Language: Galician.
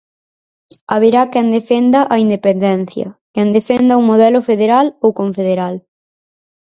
"Haberá quen defenda a independencia, quen defenda un modelo federal ou confederal".